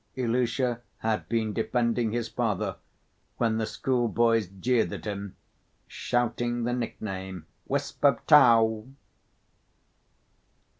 Ilusha had been defending his father when the schoolboys jeered at him, shouting the nickname "wisp of tow."